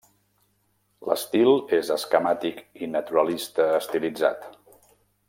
L'estil és esquemàtic i naturalista-estilitzat.